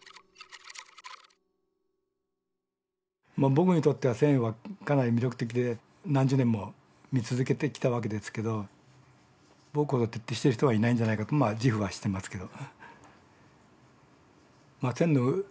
僕にとっては線はかなり魅力的で何十年も見続けてきたわけですけど僕ほど徹底してる人はいないんじゃないかと自負はしてますけど。